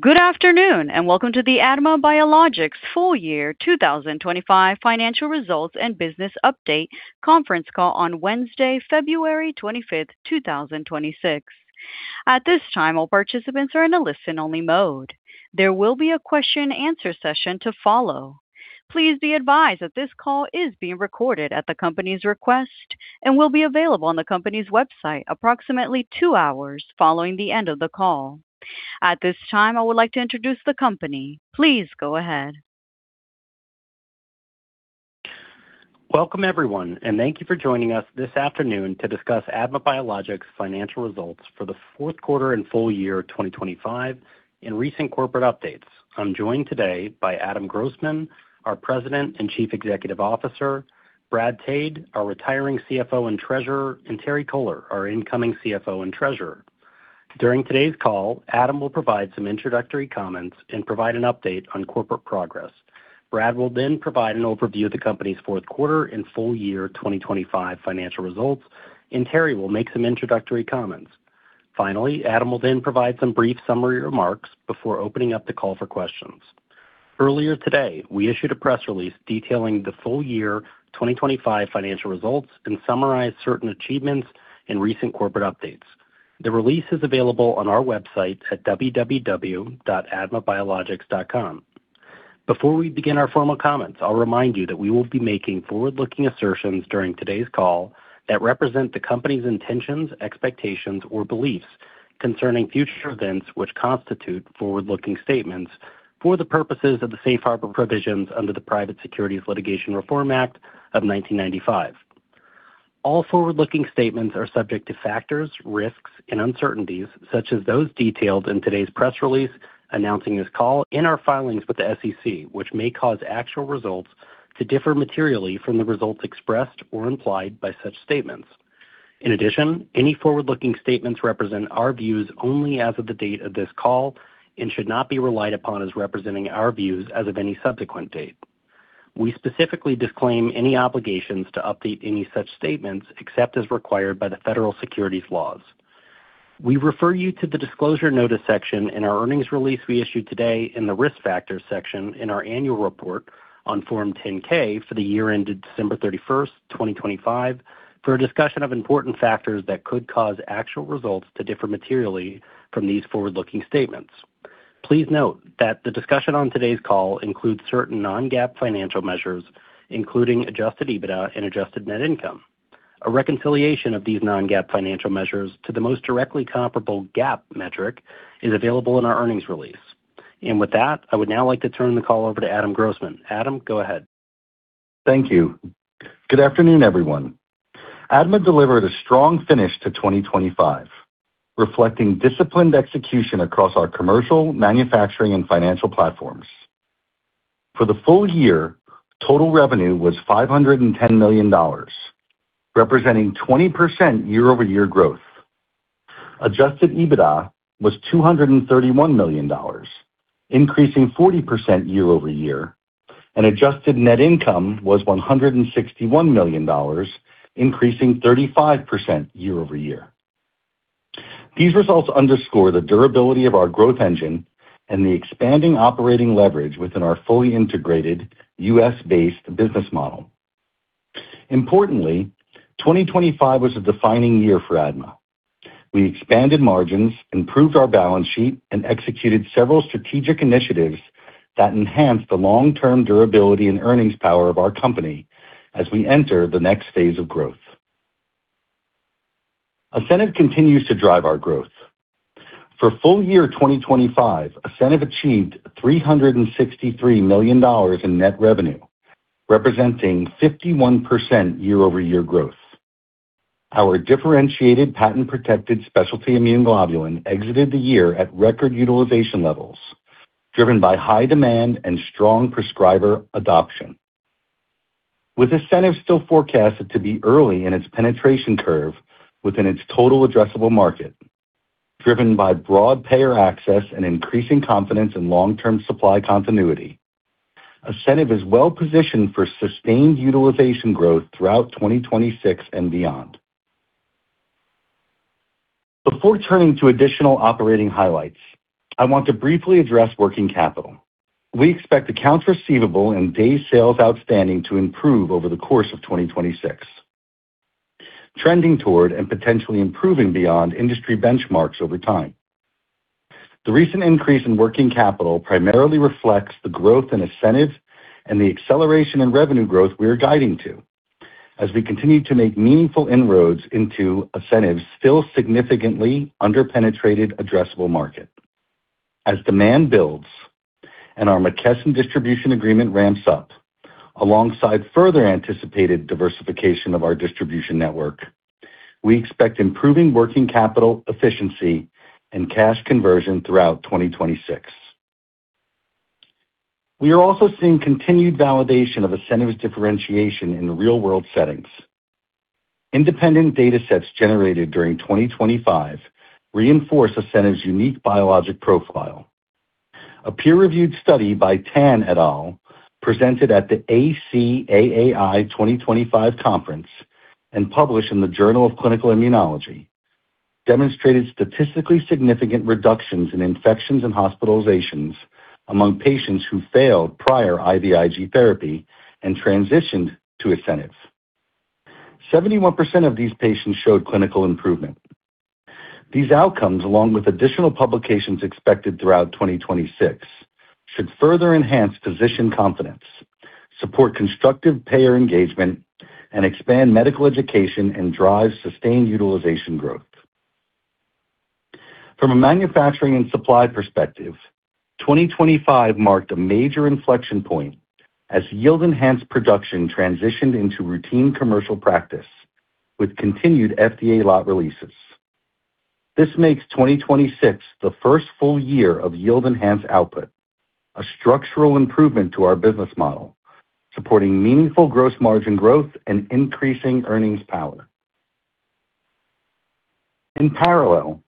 Good afternoon. Welcome to the ADMA Biologics full year 2025 financial results and business update conference call on Wednesday, February 25, 2026. At this time, all participants are in a listen-only mode. There will be a question and answer session to follow. Please be advised that this call is being recorded at the company's request and will be available on the company's website approximately two hours following the end of the call. At this time, I would like to introduce the company. Please go ahead. Welcome, everyone. Thank you for joining us this afternoon to discuss ADMA Biologics' financial results for the fourth quarter and full year 2025 and recent corporate updates. I'm joined today by Adam Grossman, our President and Chief Executive Officer; Brad Tade, our retiring CFO and Treasurer; and Terry-Ann Kohler, our incoming CFO and Treasurer. During today's call, Adam will provide some introductory comments and provide an update on corporate progress. Brad will then provide an overview of the company's fourth quarter and full year 2025 financial results, and Terry will make some introductory comments. Finally, Adam will then provide some brief summary remarks before opening up the call for questions. Earlier today, we issued a press release detailing the full year 2025 financial results and summarized certain achievements and recent corporate updates. The release is available on our website at www.admabiologics.com. Before we begin our formal comments, I'll remind you that we will be making forward-looking assertions during today's call that represent the company's intentions, expectations, or beliefs concerning future events, which constitute forward-looking statements for the purposes of the Safe Harbor provisions under the Private Securities Litigation Reform Act of 1995. All forward-looking statements are subject to factors, risks, and uncertainties, such as those detailed in today's press release announcing this call in our filings with the SEC, which may cause actual results to differ materially from the results expressed or implied by such statements. In addition, any forward-looking statements represent our views only as of the date of this call and should not be relied upon as representing our views as of any subsequent date. We specifically disclaim any obligations to update any such statements, except as required by the federal securities laws. We refer you to the Disclosure Notice section in our earnings release we issued today and the Risk Factors section in our annual report on Form 10-K for the year ended December 31st, 2025, for a discussion of important factors that could cause actual results to differ materially from these forward-looking statements. Please note that the discussion on today's call includes certain non-GAAP financial measures, including adjusted EBITDA and adjusted net income. A reconciliation of these non-GAAP financial measures to the most directly comparable GAAP metric is available in our earnings release. With that, I would now like to turn the call over to Adam Grossman. Adam, go ahead. Thank you. Good afternoon, everyone. ADMA delivered a strong finish to 2025, reflecting disciplined execution across our commercial, manufacturing, and financial platforms. For the full year, total revenue was $510 million, representing 20% year-over-year growth. Adjusted EBITDA was $231 million, increasing 40% year-over-year, and adjusted net income was $161 million, increasing 35% year-over-year. These results underscore the durability of our growth engine and the expanding operating leverage within our fully integrated U.S.-based business model. Importantly, 2025 was a defining year for ADMA. We expanded margins, improved our balance sheet, and executed several strategic initiatives that enhanced the long-term durability and earnings power of our company as we enter the next phase of growth. Asceniv continues to drive our growth. For full year 2025, Asceniv achieved $363 million in net revenue, representing 51% year-over-year growth. Our differentiated, patent-protected specialty immune globulin exited the year at record utilization levels, driven by high demand and strong prescriber adoption. With Asceniv still forecasted to be early in its penetration curve within its total addressable market, driven by broad payer access and increasing confidence in long-term supply continuity, Asceniv is well positioned for sustained utilization growth throughout 2026 and beyond. Before turning to additional operating highlights, I want to briefly address working capital. We expect accounts receivable and day sales outstanding to improve over the course of 2026, trending toward and potentially improving beyond industry benchmarks over time. The recent increase in working capital primarily reflects the growth in Asceniv and the acceleration in revenue growth we are guiding to as we continue to make meaningful inroads into Asceniv's still significantly under-penetrated addressable market. As demand builds and our McKesson distribution agreement ramps up, alongside further anticipated diversification of our distribution network, we expect improving working capital efficiency and cash conversion throughout 2026. We are also seeing continued validation of Asceniv's differentiation in real-world settings. Independent datasets generated during 2025 reinforce Asceniv's unique biologic profile. A peer-reviewed study by Tan et al., presented at the ACAAI 2025 conference and published in the Journal of Clinical Immunology, demonstrated statistically significant reductions in infections and hospitalizations among patients who failed prior IVIG therapy and transitioned to Asceniv. 71% of these patients showed clinical improvement. These outcomes, along with additional publications expected throughout 2026, should further enhance physician confidence, support constructive payer engagement, and expand medical education and drive sustained utilization growth. From a manufacturing and supply perspective, 2025 marked a major inflection point as yield-enhanced production transitioned into routine commercial practice with continued FDA lot releases. This makes 2026 the first full year of yield-enhanced output, a structural improvement to our business model, supporting meaningful gross margin growth and increasing earnings power. In parallel,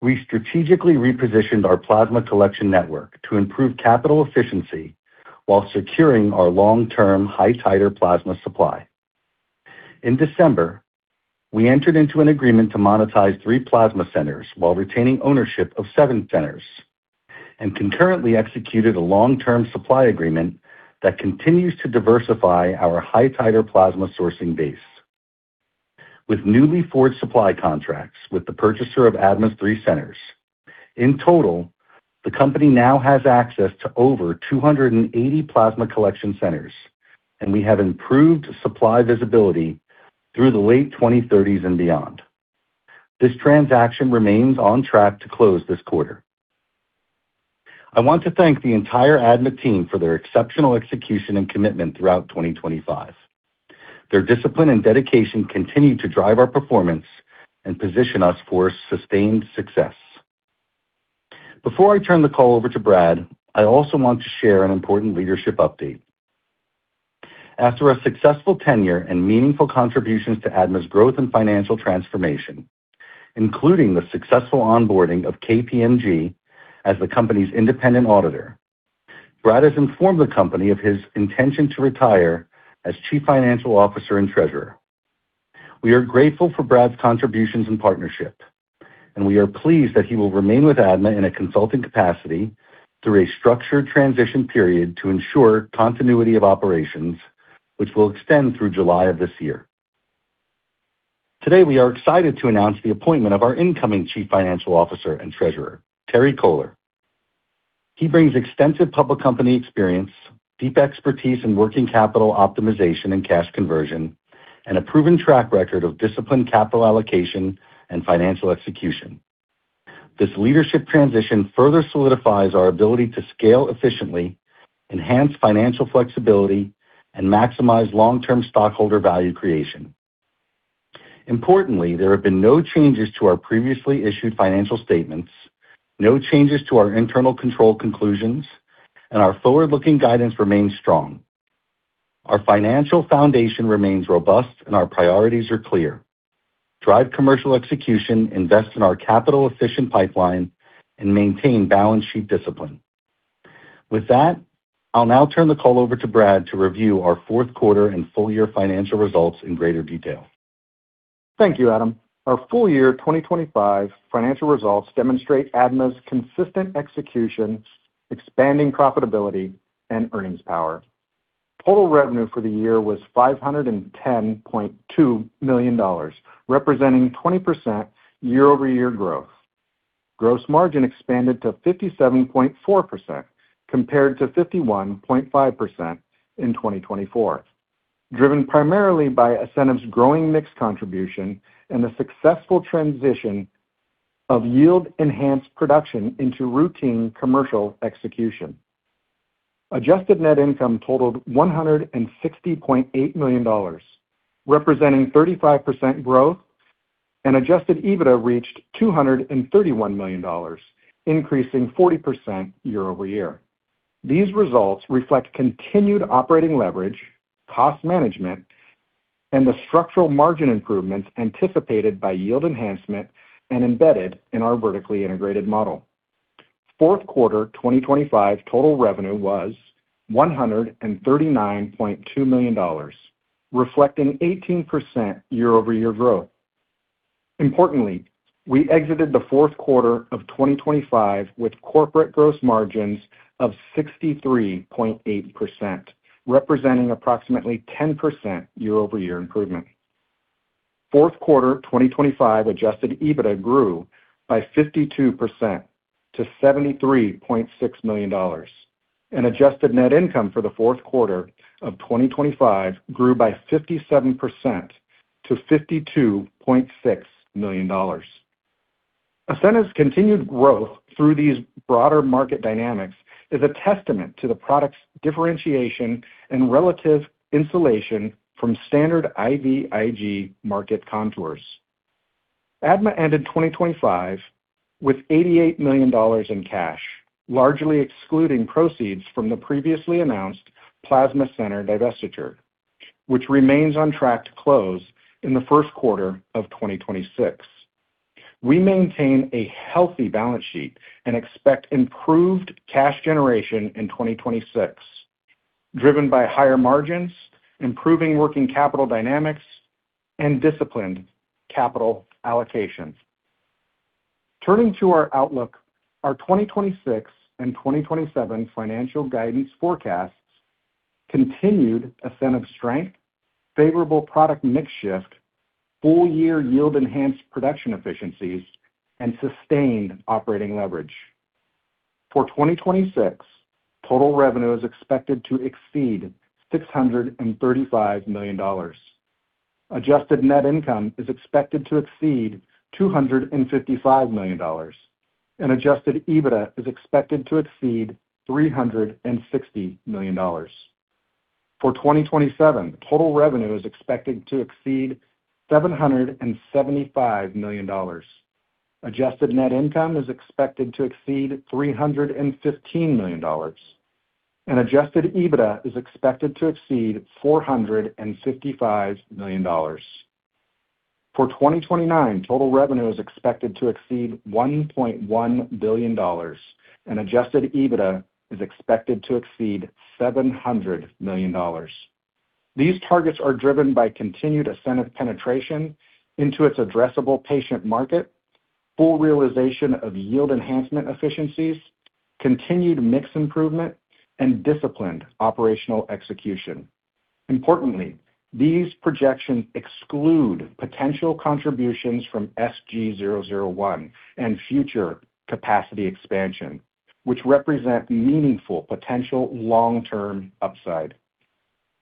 we strategically repositioned our plasma collection network to improve capital efficiency while securing our long-term high-titer plasma supply. In December, we entered into an agreement to monetize three plasma centers while retaining ownership of seven centers, and concurrently executed a long-term supply agreement that continues to diversify our high-titer plasma sourcing base. With newly forged supply contracts with the purchaser of ADMA's three centers, in total, the company now has access to over 280 plasma collection centers. We have improved supply visibility through the late 2030s and beyond. This transaction remains on track to close this quarter. I want to thank the entire ADMA team for their exceptional execution and commitment throughout 2025. Their discipline and dedication continue to drive our performance and position us for sustained success. Before I turn the call over to Brad, I also want to share an important leadership update. After a successful tenure and meaningful contributions to ADMA's growth and financial transformation, including the successful onboarding of KPMG as the company's independent auditor, Brad has informed the company of his intention to retire as Chief Financial Officer and Treasurer. We are grateful for Brad's contributions and partnership, and we are pleased that he will remain with ADMA in a consulting capacity through a structured transition period to ensure continuity of operations, which will extend through July of this year. Today, we are excited to announce the appointment of our incoming Chief Financial Officer and Treasurer, Terry Kohler. He brings extensive public company experience, deep expertise in working capital optimization and cash conversion, and a proven track record of disciplined capital allocation and financial execution. This leadership transition further solidifies our ability to scale efficiently, enhance financial flexibility, and maximize long-term stockholder value creation. Importantly, there have been no changes to our previously issued financial statements, no changes to our internal control conclusions, and our forward-looking guidance remains strong. Our financial foundation remains robust, and our priorities are clear: Drive commercial execution, invest in our capital-efficient pipeline, and maintain balance sheet discipline. With that, I'll now turn the call over to Brad to review our fourth quarter and full-year financial results in greater detail. Thank you, Adam. Our full year 2025 financial results demonstrate ADMA's consistent execution, expanding profitability and earnings power. Total revenue for the year was $510.2 million, representing 20% year-over-year growth. Gross margin expanded to 57.4%, compared to 51.5% in 2024, driven primarily by Asceniv's growing mix contribution and the successful transition of yield-enhanced production into routine commercial execution. Adjusted net income totaled $160.8 million, representing 35% growth, and adjusted EBITDA reached $231 million, increasing 40% year-over-year. These results reflect continued operating leverage, cost management, and the structural margin improvements anticipated by yield enhancement and embedded in our vertically integrated model. Fourth quarter, 2025, total revenue was $139.2 million, reflecting 18% year-over-year growth. Importantly, we exited the fourth quarter of 2025 with corporate gross margins of 63.8%, representing approximately 10% year-over-year improvement. Fourth quarter, 2025, adjusted EBITDA grew by 52% to $73.6 million, and adjusted net income for the fourth quarter of 2025 grew by 57% to $52.6 million. Asceniv's continued growth through these broader market dynamics is a testament to the product's differentiation and relative insulation from standard IVIG market contours. ADMA ended 2025 with $88 million in cash, largely excluding proceeds from the previously announced plasma center divestiture, which remains on track to close in the first quarter of 2026. We maintain a healthy balance sheet and expect improved cash generation in 2026, driven by higher margins, improving working capital dynamics, and disciplined capital allocations. Turning to our outlook, our 2026 and 2027 financial guidance forecasts continued Asceniv strength, favorable product mix shift, full-year yield enhanced production efficiencies, and sustained operating leverage. For 2026, total revenue is expected to exceed $635 million. Adjusted net income is expected to exceed $255 million, and adjusted EBITDA is expected to exceed $360 million. For 2027, total revenue is expected to exceed $775 million. Adjusted net income is expected to exceed $315 million, and adjusted EBITDA is expected to exceed $455 million. For 2029, total revenue is expected to exceed $1.1 billion, and adjusted EBITDA is expected to exceed $700 million. These targets are driven by continued Asceniv penetration into its addressable patient market, full realization of yield enhancement efficiencies, continued mix improvement, and disciplined operational execution. Importantly, these projections exclude potential contributions from SG-001 and future capacity expansion, which represent meaningful potential long-term upside.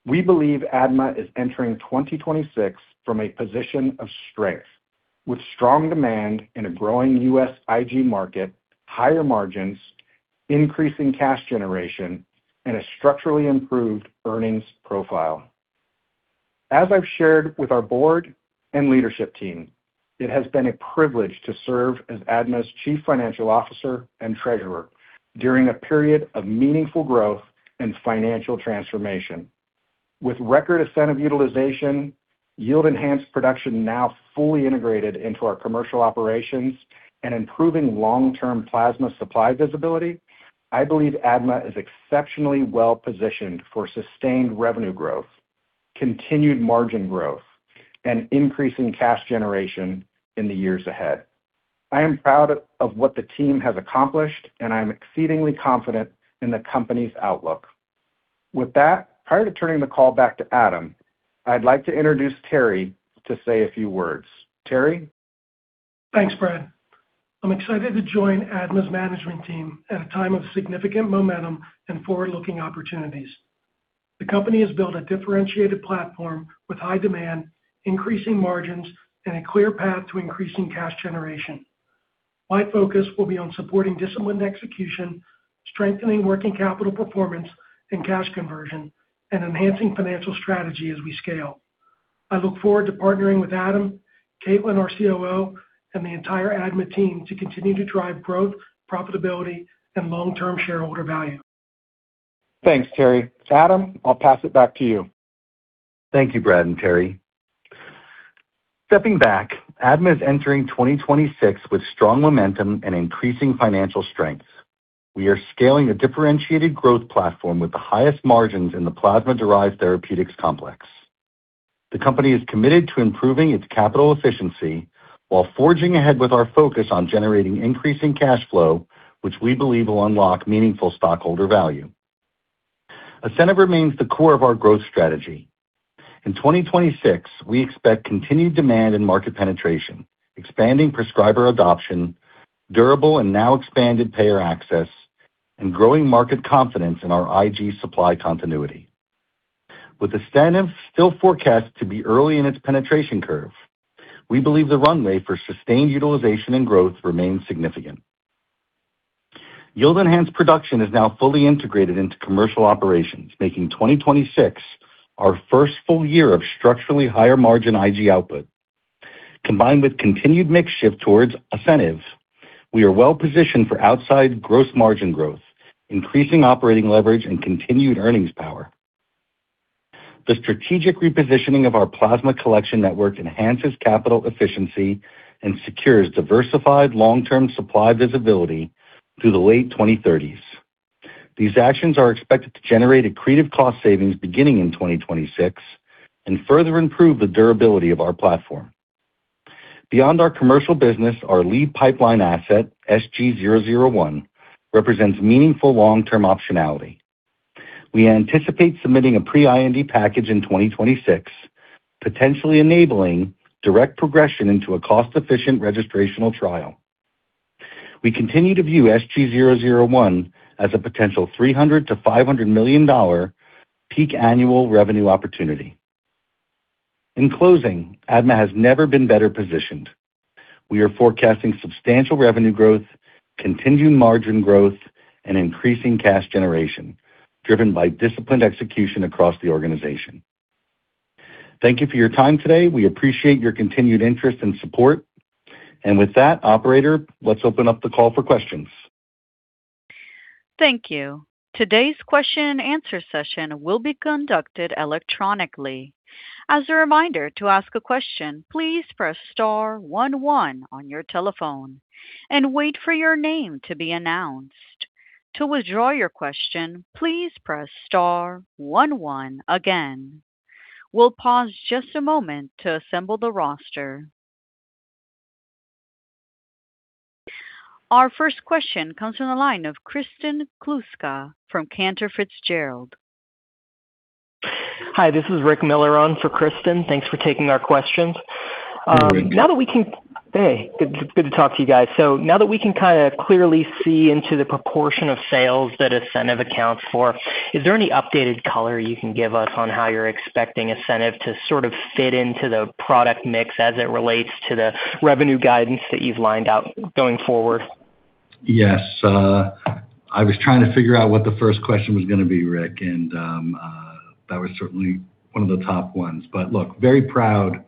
We believe ADMA is entering 2026 from a position of strength, with strong demand in a growing U.S. IG market, higher margins, increasing cash generation, and a structurally improved earnings profile. As I've shared with our board and leadership team, it has been a privilege to serve as ADMA's Chief Financial Officer and Treasurer during a period of meaningful growth and financial transformation. With record ascent of utilization, yield enhancement production now fully integrated into our commercial operations, and improving long-term plasma supply visibility, I believe ADMA is exceptionally well-positioned for sustained revenue growth, continued margin growth, and increasing cash generation in the years ahead. I am proud of what the team has accomplished, and I am exceedingly confident in the company's outlook. With that, prior to turning the call back to Adam, I'd like to introduce Terry to say a few words. Terry? Thanks, Brad. I'm excited to join ADMA's management team at a time of significant momentum and forward-looking opportunities. The company has built a differentiated platform with high demand, increasing margins, and a clear path to increasing cash generation. My focus will be on supporting disciplined execution, strengthening working capital performance and cash conversion, and enhancing financial strategy as we scale. I look forward to partnering with Adam, Caitlin, our COO, and the entire ADMA team to continue to drive growth, profitability, and long-term shareholder value. Thanks, Terry. Adam, I'll pass it back to you. Thank you, Brad and Terry. Stepping back, ADMA is entering 2026 with strong momentum and increasing financial strengths. We are scaling a differentiated growth platform with the highest margins in the plasma-derived therapeutics complex. The company is committed to improving its capital efficiency while forging ahead with our focus on generating increasing cash flow, which we believe will unlock meaningful stockholder value. Asceniv remains the core of our growth strategy. In 2026, we expect continued demand and market penetration, expanding prescriber adoption, durable and now expanded payer access, and growing market confidence in our IG supply continuity. With Asceniv still forecast to be early in its penetration curve, we believe the runway for sustained utilization and growth remains significant. Yield-enhanced production is now fully integrated into commercial operations, making 2026 our first full year of structurally higher margin IG output. Combined with continued mix shift towards Asceniv, we are well positioned for outside gross margin growth, increasing operating leverage, and continued earnings power. The strategic repositioning of our plasma collection network enhances capital efficiency and secures diversified long-term supply visibility through the late 2030s. These actions are expected to generate accretive cost savings beginning in 2026 and further improve the durability of our platform. Beyond our commercial business, our lead pipeline asset, SG-001, represents meaningful long-term optionality. We anticipate submitting a pre-IND package in 2026, potentially enabling direct progression into a cost-efficient registrational trial. We continue to view SG-001 as a potential $300 million-$500 million peak annual revenue opportunity. In closing, ADMA has never been better positioned. We are forecasting substantial revenue growth, continued margin growth, and increasing cash generation, driven by disciplined execution across the organization. Thank you for your time today. We appreciate your continued interest and support. With that, operator, let's open up the call for questions. Thank you. Today's question and answer session will be conducted electronically. As a reminder, to ask a question, please press star one one on your telephone and wait for your name to be announced. To withdraw your question, please press star one one again. We'll pause just a moment to assemble the roster. Our first question comes from the line of Kristen Kluska from Cantor Fitzgerald. Hi, this is Rick Miller for Kristen. Thanks for taking our questions. You're welcome. Hey, it's good to talk to you guys. Now that we can kind of clearly see into the proportion of sales that Asceniv accounts for, is there any updated color you can give us on how you're expecting Asceniv to sort of fit into the product mix as it relates to the revenue guidance that you've lined out going forward? Yes, I was trying to figure out what the first question was gonna be, Rick, and that was certainly one of the top ones. Look, very proud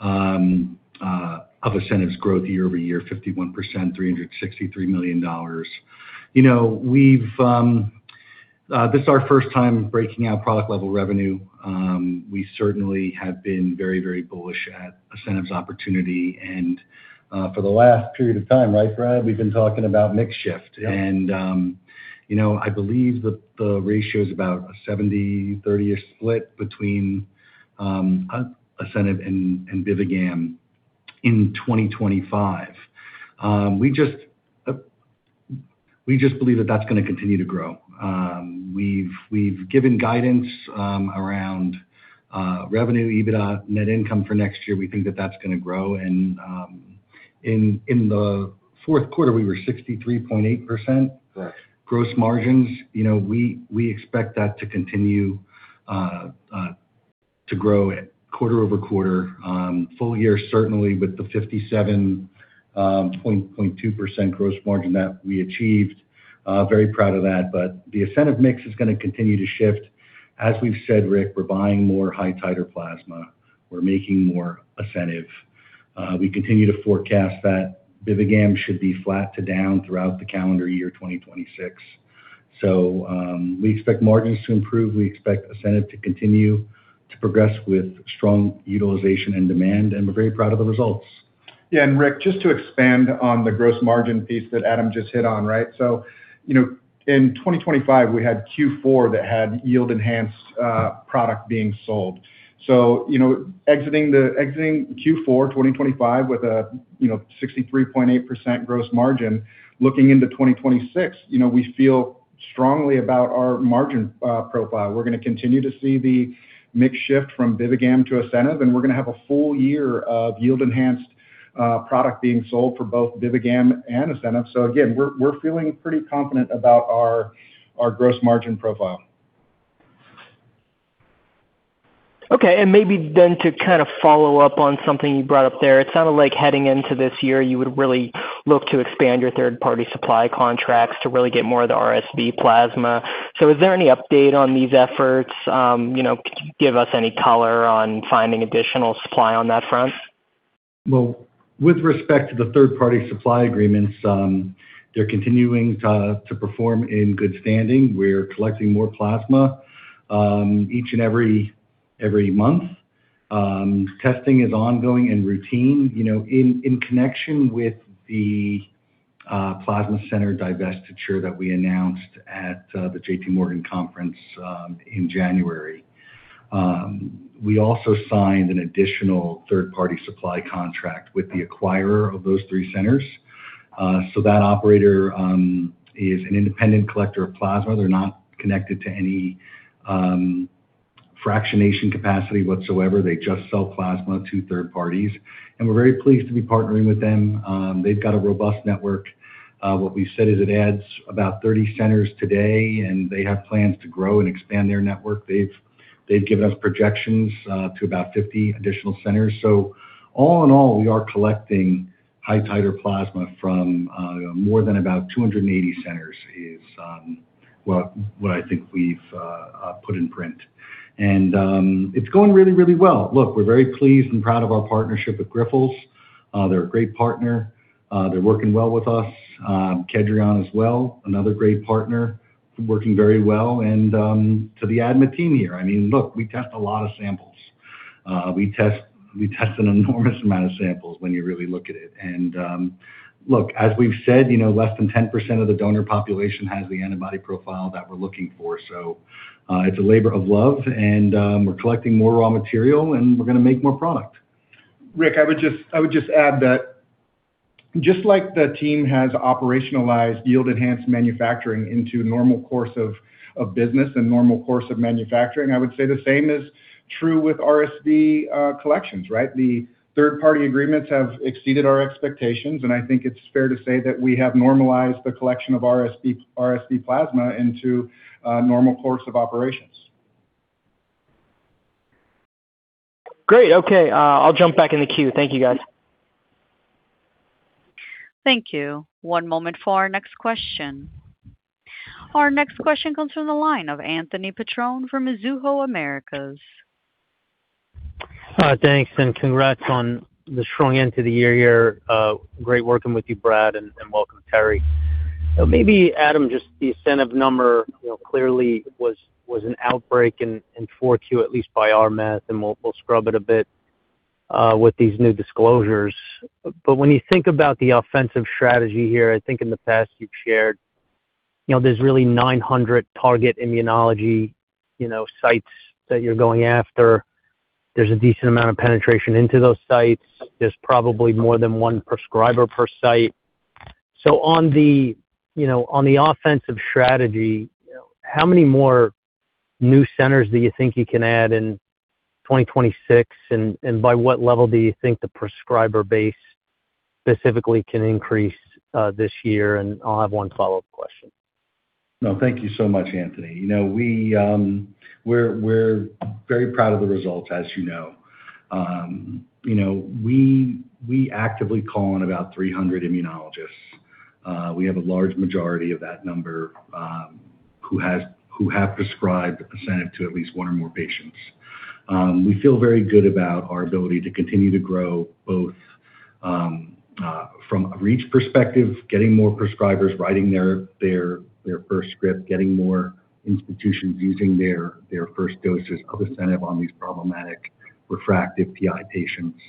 of Asceniv's growth year-over-year, 51%, $363 million. You know, we've this is our first time breaking out product level revenue. We certainly have been very, very bullish at Asceniv's opportunity and for the last period of time, right, Brad? We've been talking about mix shift. Yep. You know, I believe that the ratio is about a 70-30 split between Asceniv and Bivigam in 2025. We just believe that that's gonna continue to grow. We've given guidance around revenue, EBITDA, net income for next year. We think that that's gonna grow, and in the fourth quarter, we were 63.8%. Correct. Gross margins, you know, we expect that to continue to grow quarter-over-quarter. Full year, certainly with the 57.2% gross margin that we achieved. Very proud of that, the Asceniv mix is gonna continue to shift. As we've said, Rick, we're buying more high-titer plasma. We're making more Asceniv. We continue to forecast that Bivigam should be flat to down throughout the calendar year 2026. We expect margins to improve. We expect Asceniv to continue to progress with strong utilization and demand, and we're very proud of the results. Yeah, Rick, just to expand on the gross margin piece that Adam just hit on, right? You know, in 2025, we had Q4 that had yield-enhanced product being sold. You know, exiting Q4 2025 with a, you know, 63.8% gross margin, looking into 2026, you know, we feel strongly about our margin profile. We're gonna continue to see the mix shift from Bivigam to Asceniv, and we're gonna have a full year of yield-enhanced product being sold for both Bivigam and Asceniv. Again, we're feeling pretty confident about our gross margin profile. Maybe then to kind of follow up on something you brought up there, it sounded like heading into this year, you would really look to expand your third-party supply contracts to really get more of the RSV plasma. Is there any update on these efforts? You know, could you give us any color on finding additional supply on that front? Well, with respect to the third-party supply agreements, they're continuing to perform in good standing. We're collecting more plasma each and every month. Testing is ongoing and routine. You know, in connection with the plasma center divestiture that we announced at the JP Morgan conference in January, we also signed an additional third-party supply contract with the acquirer of those three centers. That operator is an independent collector of plasma. They're not connected to any fractionation capacity whatsoever. They just sell plasma to third parties. We're very pleased to be partnering with them. They've got a robust network. What we said is it adds about 30 centers today. They have plans to grow and expand their network. They've given us projections to about 50 additional centers. All in all, we are collecting high-titer plasma from more than about 280 centers is what I think we've put in print. It's going really, really well. Look, we're very pleased and proud of our partnership with Grifols. They're a great partner. They're working well with us. Kedrion as well, another great partner, working very well. To the ADMA team here, I mean, look, we test a lot of samples. We test an enormous amount of samples when you really look at it. Look, as we've said, you know, less than 10% of the donor population has the antibody profile that we're looking for. It's a labor of love and we're collecting more raw material, and we're going to make more product. Rick, I would just add that just like the team has operationalized yield-enhanced manufacturing into normal course of business and normal course of manufacturing, I would say the same is true with RSV collections, right? The third-party agreements have exceeded our expectations. I think it's fair to say that we have normalized the collection of RSV plasma into a normal course of operations. Great. Okay, I'll jump back in the queue. Thank you, guys. Thank you. One moment for our next question. Our next question comes from the line of Anthony Petrone from Mizuho Americas. ... Thanks, congrats on the strong end to the year here. Great working with you, Brad, and welcome, Terry. Maybe, Adam, just the incentive number, you know, clearly was an outbreak in 4Q, at least by our math, and we'll scrub it a bit with these new disclosures. When you think about the offensive strategy here, I think in the past you've shared, you know, there's really 900 target immunology, you know, sites that you're going after. There's a decent amount of penetration into those sites. There's probably more than one prescriber per site. On the, you know, on the offensive strategy, how many more new centers do you think you can add in 2026? By what level do you think the prescriber base specifically can increase this year? I'll have one follow-up question. No, thank you so much, Anthony Petrone. You know, we're very proud of the results, as you know. You know, we actively call on about 300 immunologists. We have a large majority of that number, who have prescribed Asceniv to at least one or more patients. We feel very good about our ability to continue to grow, both, from a reach perspective, getting more prescribers, writing their first script, getting more institutions using their first doses of Asceniv on these problematic refractive PI patients.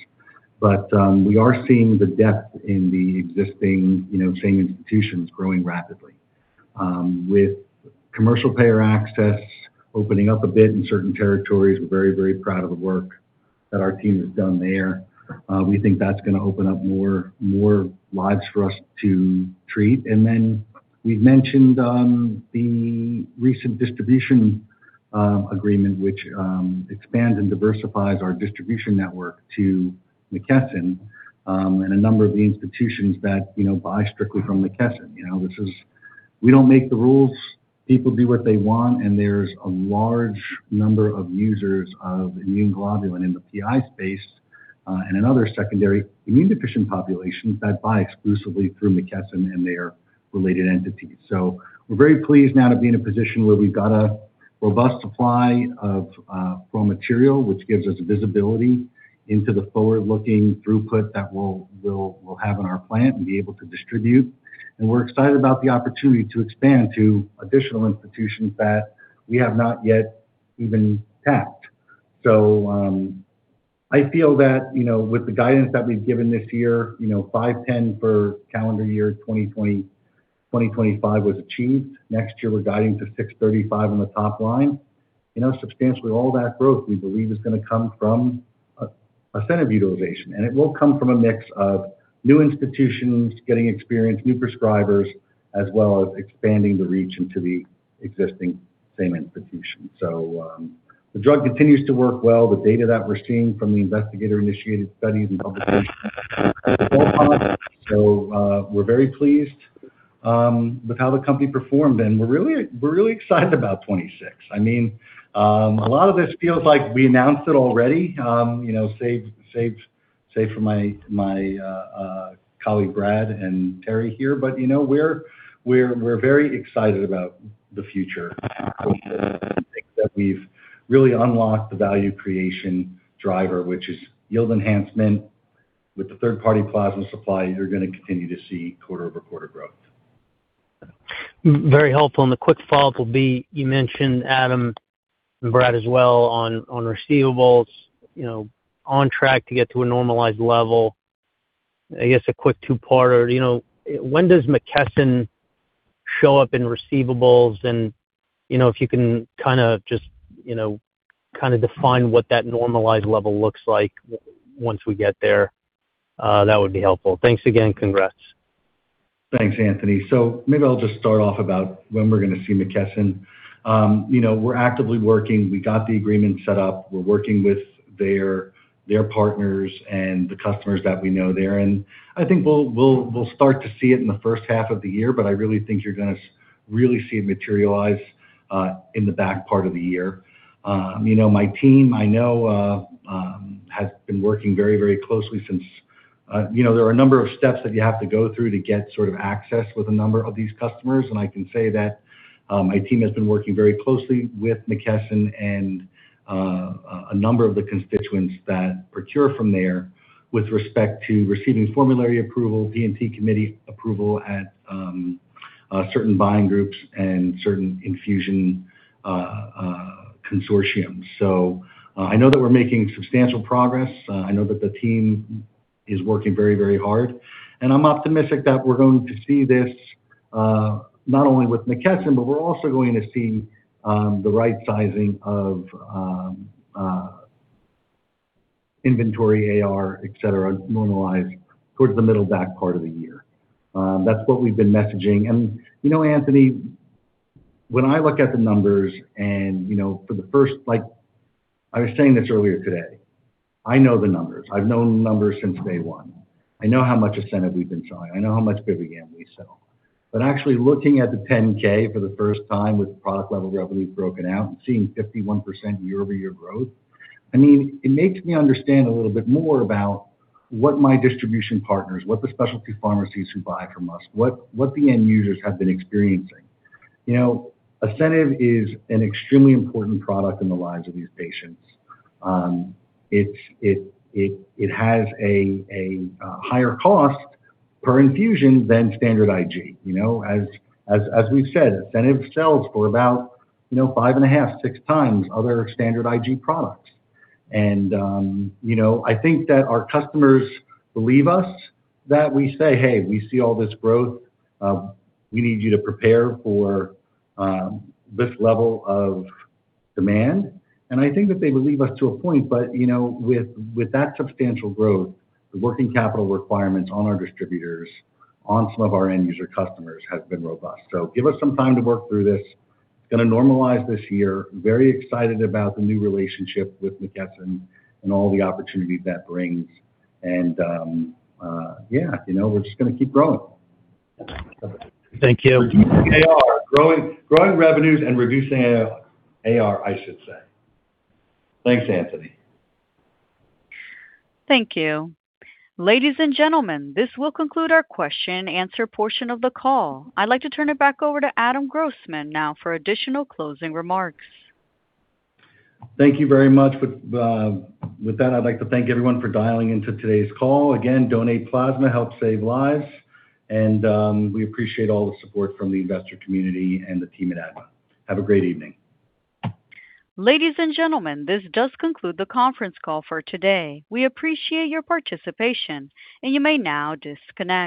We are seeing the depth in the existing, you know, same institutions growing rapidly. With commercial payer access opening up a bit in certain territories, we're very proud of the work that our team has done there. We think that's gonna open up more lives for us to treat. Then we've mentioned the recent distribution agreement, which expands and diversifies our distribution network to McKesson and a number of the institutions that, you know, buy strictly from McKesson, you know, which is... We don't make the rules. People do what they want, and there's a large number of users of immune globulin in the PI space and in other secondary immune deficient populations that buy exclusively through McKesson and their related entities. We're very pleased now to be in a position where we've got a robust supply of flow material, which gives us visibility into the forward-looking throughput that we'll have in our plant and be able to distribute. We're excited about the opportunity to expand to additional institutions that we have not yet even tapped. I feel that, you know, with the guidance that we've given this year, you know, $510 million for calendar year 2020, 2025 was achieved. Next year, we're guiding to $635 million on the top line. You know, substantially, all that growth, we believe, is gonna come from Asceniv utilization, and it will come from a mix of new institutions getting experienced, new prescribers, as well as expanding the reach into the existing same institutions. The drug continues to work well. The data that we're seeing from the investigator-initiated studies and publications, we're very pleased with how the company performed, and we're really excited about 2026. I mean, a lot of this feels like we announced it already, you know, save for my colleague, Brad and Terry here, but, you know, we're very excited about the future. I think that we've really unlocked the value creation driver, which is yield enhancement. With the third-party plasma supply, you're gonna continue to see quarter-over-quarter growth. Very helpful. The quick follow-up will be, you mentioned Adam, and Brad as well, on receivables, you know, on track to get to a normalized level. I guess a quick two-parter: You know, when does McKesson show up in receivables? You know, if you can kinda just, you know, kinda define what that normalized level looks like once we get there, that would be helpful. Thanks again, congrats. Thanks, Anthony. Maybe I'll just start off about when we're gonna see McKesson. You know, we're actively working. We got the agreement set up. We're working with their partners and the customers that we know there, and I think we'll start to see it in the first half of the year, but I really think you're gonna really see it materialize in the back part of the year. You know, my team, I know, has been working very, very closely since... You know, there are a number of steps that you have to go through to get sort of access with a number of these customers, and I can say that my team has been working very closely with McKesson and a number of the constituents that procure from there with respect to receiving formulary approval, P&T Committee approval at certain buying groups and certain infusion consortiums. I know that we're making substantial progress. I know that the team is working very, very hard, and I'm optimistic that we're going to see this not only with McKesson, but we're also going to see the right sizing of inventory, AR, et cetera, normalized towards the middle back part of the year. That's what we've been messaging. You know, Anthony, when I look at the numbers, like, I was saying this earlier today, I know the numbers. I've known the numbers since day one. I know how much Asceniv we've been selling. I know how much Bivigam we sell. Actually looking at the Form 10-K for the first time with product level revenue broken out and seeing 51% year-over-year growth, I mean, it makes me understand a little bit more about what my distribution partners, what the specialty pharmacies who buy from us, what the end users have been experiencing. You know, Asceniv is an extremely important product in the lives of these patients. It has a higher cost per infusion than standard IG. You know, as we've said, Asceniv sells for about, you know, 5.5, 6 times other standard IG products. You know, I think that our customers believe us, that we say, "Hey, we see all this growth. We need you to prepare for this level of demand." I think that they believe us to a point, but, you know, with that substantial growth, the working capital requirements on our distributors, on some of our end user customers has been robust. Give us some time to work through this. It's gonna normalize this year. Very excited about the new relationship with McKesson and all the opportunities that brings. Yeah, you know, we're just gonna keep growing. Thank you. AR. Growing revenues and reducing AR, I should say. Thanks, Anthony. Thank you. Ladies and gentlemen, this will conclude our question and answer portion of the call. I'd like to turn it back over to Adam Grossman now for additional closing remarks. Thank you very much. With, with that, I'd like to thank everyone for dialing into today's call. Again, donate plasma, help save lives. We appreciate all the support from the investor community and the team at ADMA. Have a great evening. Ladies and gentlemen, this does conclude the conference call for today. We appreciate your participation, and you may now disconnect.